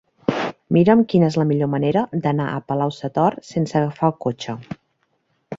Mira'm quina és la millor manera d'anar a Palau-sator sense agafar el cotxe.